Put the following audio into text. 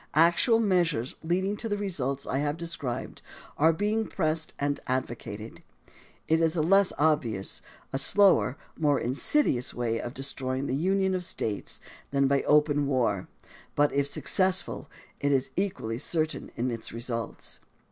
Actual meas ures leading to the results I have described are being pressed and advocated. It is a less obvious, a slower, a more insidious way of destroying the Union of States than by open war, but if successful it is equally certain in its results.